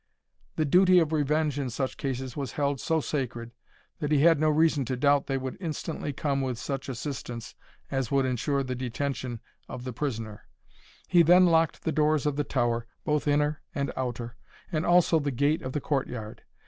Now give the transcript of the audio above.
The duty of revenge in such cases was held so sacred, that he had no reason to doubt they would instantly come with such assistance as would ensure the detention of the prisoner. He then locked the doors of the tower, both inner and outer, and also the gate of the court yard.